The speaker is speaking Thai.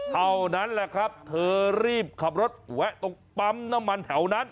เท่านั้นแหละครับเธอรีบขับรถแวะตรงปั๊มน้ำมันแถวนั้น